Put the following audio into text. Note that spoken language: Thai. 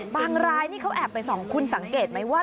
บางรายนี่เขาแอบไปส่องคุณสังเกตไหมว่า